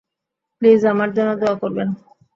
Please, আমার জন্য দোয়া করবেন।